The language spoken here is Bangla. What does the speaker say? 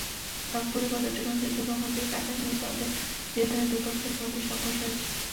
রংপুরের বদরগঞ্জে দুর্গামন্দিরের টাকা নিয়ে দ্বন্দ্বের জের ধরে দুই পক্ষের মধ্যে সংঘর্ষ হয়েছে।